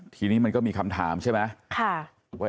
ทีนี้มันก็มีคำถามใช่ไหม